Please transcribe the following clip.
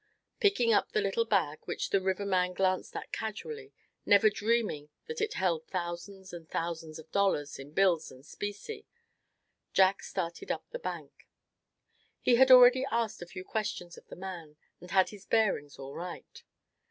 Picking up the little bag, which the river man glanced at casually, never dreaming that it held thousands and thousands of dollars in bills and specie, Jack started up the bank. He had already asked a few questions of the man, and had his bearings all right.